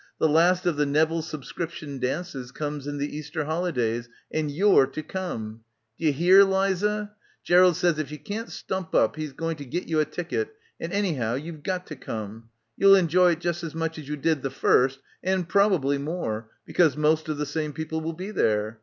The last of the Neville Sub scription Dances comes in the Easter holidays and you're to come. D'ye 'ear, Liza? Gerald says if you can't stump up he's going to get you a ticket, and anyhow you've got to come. You'll enjoy it just as much as you did the first and probably more, because most of the same people will be there.